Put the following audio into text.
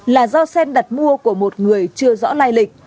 là do sen đặt mua của một người chưa rõ lai lịch